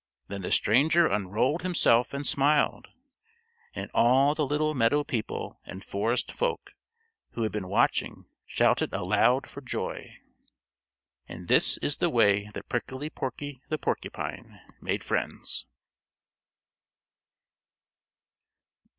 Then the stranger unrolled himself and smiled, and all the little meadow people and forest folk who had been watching shouted aloud for joy. And this is the way that Prickly Porky the Porcupine made friends.